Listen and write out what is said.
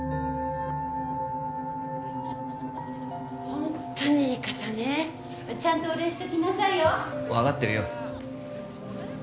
ホンットにいい方ねちゃんとお礼しときなさいよ分かってるよ